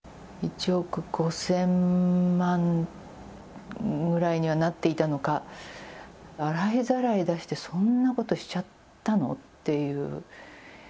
１億５０００万ぐらいにはなっていたのか、洗いざらい出して、そんなことしちゃったの？